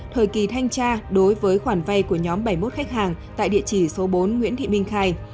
thời kỳ thanh tra đối với khoản vay của nhóm bảy mươi một khách hàng tại địa chỉ số bốn nguyễn thị minh khai